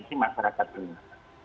ini juga sesuatu yang luar biasa